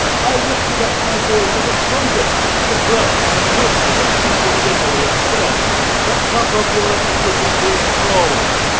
I lifted up my voice as a trumpet to the prelates and princes and people of Italy and said, The cup of your iniquity is full.